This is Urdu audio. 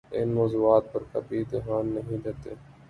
ان موضوعات پر کبھی دھیان نہیں دیتے؟